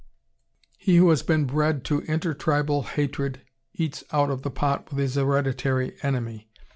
He who has been bred to inter tribal hatred eats out of the pot with his hereditary enemy.